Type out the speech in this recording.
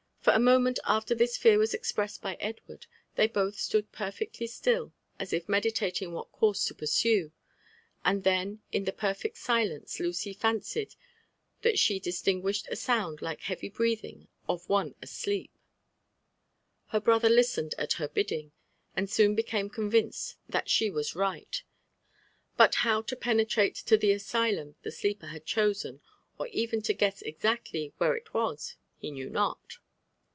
For a moment after Ibis fear was expressed by Edward, they both stood perfectly still as if meditating what course to pursue; and then in the perf^ silence Lucy fancied that she distinguished a sound like the heavy breathing of one asleep. Her brother listened at her biddings and soon became convinced that she was right; but bow to penetrate to the asylum the sleeper had chosen, or even to guess exactly where ii was, he knew not.